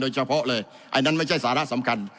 เฉพาะเลยอันนั้นไม่ใช่สาระสำคัญ